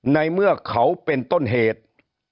ในเมื่อเขาเป็นต้นเหตุ